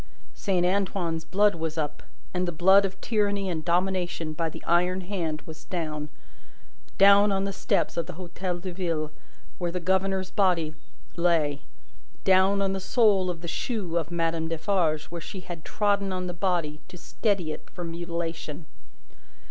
Saint Antoine's blood was up, and the blood of tyranny and domination by the iron hand was down down on the steps of the Hotel de Ville where the governor's body lay down on the sole of the shoe of Madame Defarge where she had trodden on the body to steady it for mutilation.